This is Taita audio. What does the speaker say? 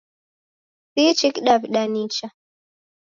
Siichi kidawida nicha